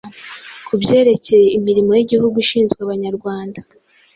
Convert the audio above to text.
Ku byerekeye imirimo y'igihugu ishinzwe Abanyarwanda,